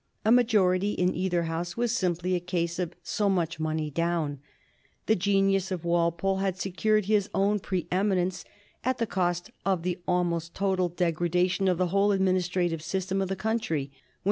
A majority in either House was simply a case of so much money down. The genius of Walpole had secured his own pre eminence at the cost of the almost total degradation of the whole administrative system of the country.